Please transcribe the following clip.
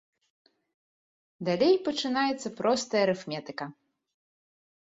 Далей пачынаецца простая арыфметыка!